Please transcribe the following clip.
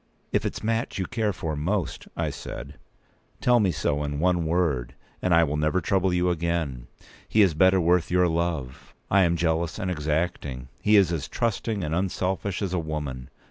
"If it's Mat whom you care for most," I said, "tell me so in one word, and I will never trouble you again. He is better worth your love. I am jealous and exacting; he is as trusting and unselfish as a woman.